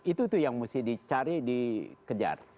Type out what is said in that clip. itu tuh yang mesti dicari dikejar